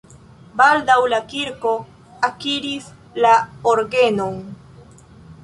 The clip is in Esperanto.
Baldaŭ la kirko akiris la orgenon.